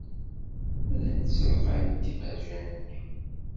Llant ssalqayent imerjan-nni.